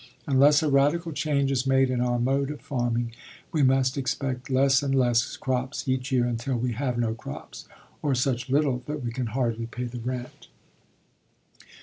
Unless a radical change is made in our mode of farming, we must expect less and less crops each year until we have no crops, or such little that we can hardly pay the rent.